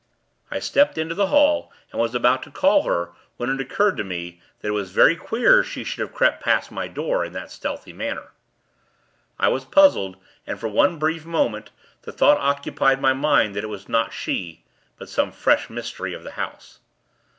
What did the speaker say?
I stepped into the hall, and was about to call to her, when it occurred to me, that it was very queer she should have crept past my door, in that stealthy manner. I was puzzled, and, for one brief moment, the thought occupied my mind, that it was not she, but some fresh mystery of the house.